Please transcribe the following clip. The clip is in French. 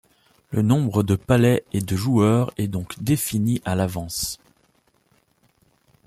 Le nombre de palets et de joueurs est donc défini à l'avance.